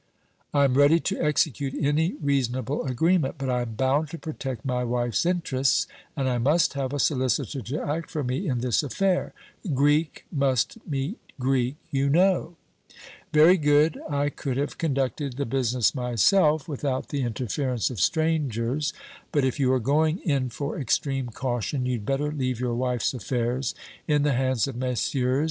"I am ready to execute any reasonable agreement; but I am bound to protect my wife's interests, and I must have a solicitor to act for me in this affair. Greek must meet Greek, you know." "Very good. I could have conducted the business myself without the interference of strangers; but if you are going in for extreme caution, you'd better leave your wife's affairs in the hands of Messrs.